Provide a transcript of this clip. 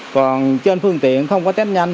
còn trên phương tiện không có test nhanh